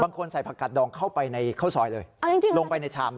บางคนใส่ผักกาดดองเข้าไปในข้าวซอยเลยจริงลงไปในชามเลย